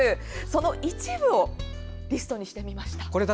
その一部をリストにしてみました。